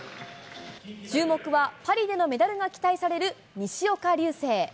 注目はパリでのメダルが期待される西岡隆成。